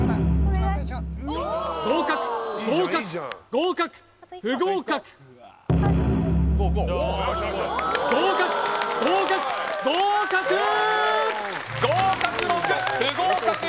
合格合格合格不合格合格合格合格！